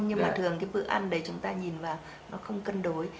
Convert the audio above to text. nhưng mà thường cái bữa ăn đấy chúng ta nhìn vào nó không cân đối